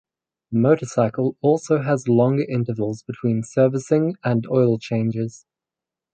The motorcycle also has longer intervals between servicing and oil changes.